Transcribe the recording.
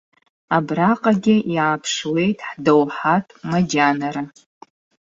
Абраҟагьы иааԥшуеит ҳдоуҳатә маџьанара!